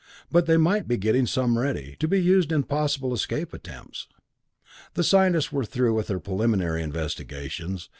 But they might be getting some ready, to be used in possible escape attempts. The scientists were through with their preliminary investigations.